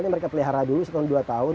mereka pelihara dulu sekitar dua tahun